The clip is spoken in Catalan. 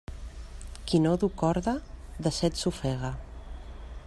Qui no du corda, de set s'ofega.